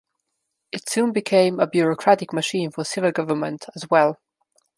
It soon became a bureaucratic machine for civil government as well.